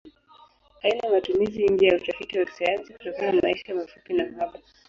Haina matumizi nje ya utafiti wa kisayansi kutokana maisha mafupi na uhaba.